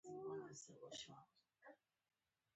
شتمني له فکر کولو پيلېږي.